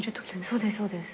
そうですそうです。